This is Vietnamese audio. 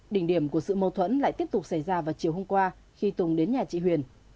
đỉnh điểm của sự mâu thuẫn lại tiếp tục xảy ra vào chiều hôm qua khi tùng đến nhà chị huyền